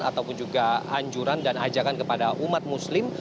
ataupun juga anjuran dan ajakan kepada umat muslim